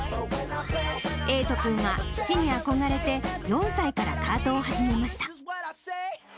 瑛斗君は父に憧れて、４歳からカートを始めました。